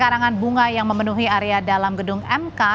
karangan bunga yang memenuhi area dalam gedung mk